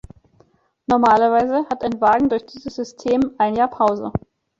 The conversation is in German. Normalerweise hat ein Wagen durch dieses System ein Jahr Pause.